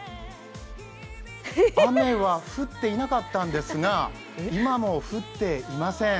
雨は降っていなかったんですが今も降っていません。